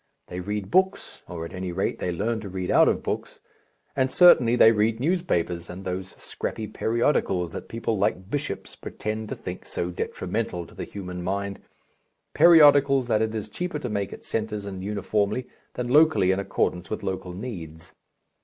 They read books or, at any rate, they learn to read out of books and certainly they read newspapers and those scrappy periodicals that people like bishops pretend to think so detrimental to the human mind, periodicals that it is cheaper to make at centres and uniformly, than locally in accordance with local needs.